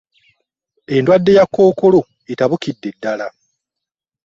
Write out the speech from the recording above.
Endwadde ya kokoolo etabukidde dddala .